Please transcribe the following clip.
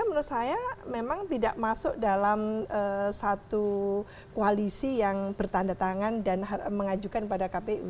menurut saya memang tidak masuk dalam satu koalisi yang bertanda tangan dan mengajukan pada kpu